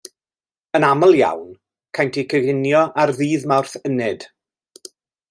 Yn aml iawn, cânt eu coginio ar Ddydd Mawrth Ynyd.